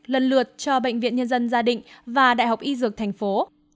lần lượt cho bệnh viện nhân dân gia định và đại học y dược thành phố